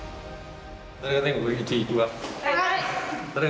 はい！